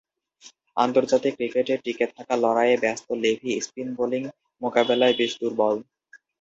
আন্তর্জাতিক ক্রিকেটে টিকে থাকার লড়াইয়ে ব্যস্ত লেভি স্পিন বোলিং মোকাবেলায় বেশ দূর্বল।